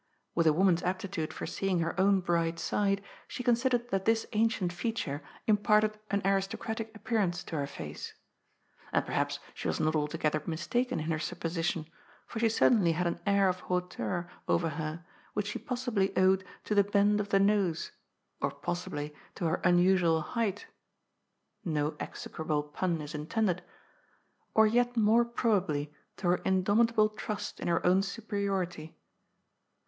With a woman's aptitude for seeing her own bright side, she con sidered that this ancient feature imparted an aristocratic appearance to her face. And perhaps she was not alto gether mistaken in her supposition, for she certainly had an air of hauteur over her which she possibly owed to the bend of the nose, or possibly to her unusual height (no execrable pun is intended), or yet more probably to her indomitable trust in her own superiority.